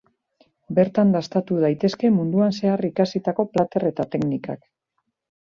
Bertan dastatu daitezke munduan zehar ikasitako plater eta teknikak.